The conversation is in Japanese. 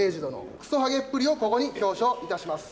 くそハゲっぷりをここに表彰いたします。